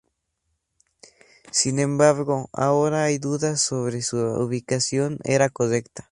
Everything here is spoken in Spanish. Sin embargo, ahora hay dudas sobre si su ubicación era correcta.